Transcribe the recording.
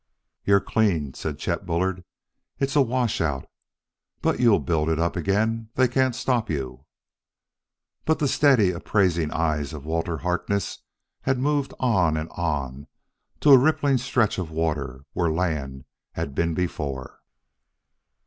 "You're cleaned," said Chet Bullard. "It's a washout! But you'll build it up again; they can't stop you " But the steady, appraising eyes of Walter Harkness had moved on and on to a rippling stretch of water where land had been before.